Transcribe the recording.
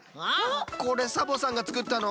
これサボさんが作ったの？